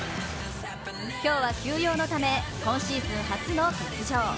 今日は休養のため今シーズン初の欠場。